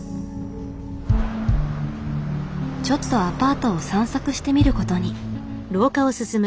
ちょっとアパートを散策してみることに。